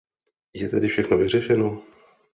Je tedy všechno vyřešeno?